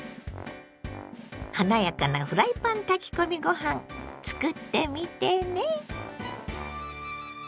華やかなフライパン炊き込みご飯つくってみてね。